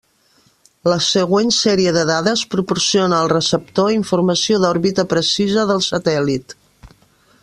La següent sèrie de dades proporciona al receptor informació d'òrbita precisa del satèl·lit.